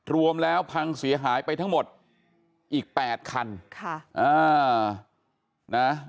รวมแล้วพังเสียหายไปทั้งหมดอีกแปดคันค่ะอ่านะ